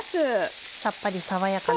さっぱり爽やかな。